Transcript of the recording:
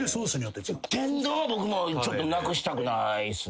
天丼は僕もなくしたくないっすね。